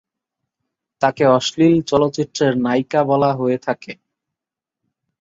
তাকে অশ্লীল চলচ্চিত্রের নায়িকা বলা হয়ে থাকে।